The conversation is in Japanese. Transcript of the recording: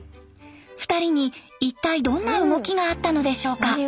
２人に一体どんな動きがあったのでしょうか？